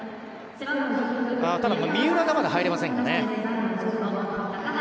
ただ、三浦がまだ入れませんかね。